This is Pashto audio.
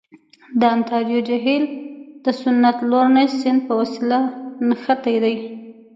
د انتاریو جهیل د سنت لورنس سیند په وسیله نښتی دی.